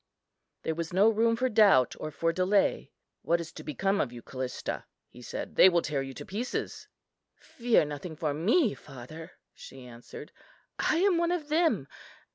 There was no room for doubt or for delay. "What is to become of you, Callista?" he said; "they will tear you to pieces." "Fear nothing for me, father," she answered; "I am one of them.